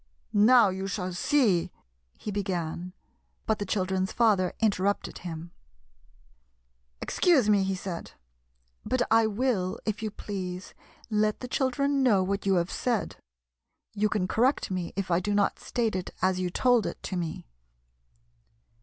" Now, you shall see —" he began, but the children's father interrupted him. 59 GYPSY, THE TALKING DOG Excuse me," he said, " but I will, if you please, let the children know what you have said. You can correct me if I do not state it as you told it to me."